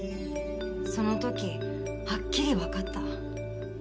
その時はっきりわかった。